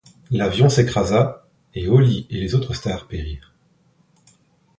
L'avion s'écrasa, et Holly et les autres stars périrent.